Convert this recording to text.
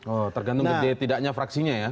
oh tergantung tidaknya fraksinya ya